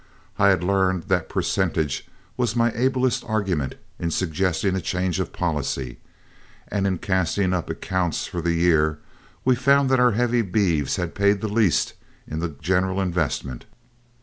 I had learned that percentage was my ablest argument in suggesting a change of policy, and in casting up accounts for the year we found that our heavy beeves had paid the least in the general investment.